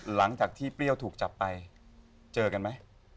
หลังจากที่เปรี้ยวถูกจับไปเจอกันไหม